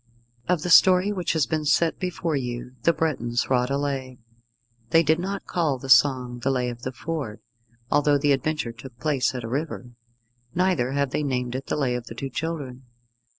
Of the story which has been set before you the Bretons wrought a Lay. They did not call the song the Lay of the Ford, although the adventure took place at a river; neither have they named it The Lay of the Two Children.